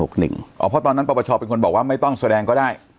เพราะตอนนั้นปปชเป็นคนบอกว่าไม่ต้องแสดงก็ได้